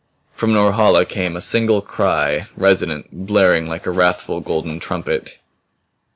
From Norhala came a single cry resonant, blaring like a wrathful, golden trumpet.